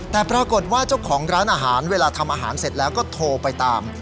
แต่ปรากฏว่าเจ้าของร้านอาหารเวลาทำอาหารเสร็จแล้วก็โทรไปตาม